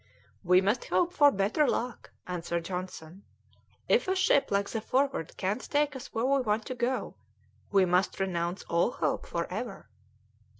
"We must hope for better luck," answered Johnson. "If a ship like the Forward can't take us where we want to go, we must renounce all hope for ever."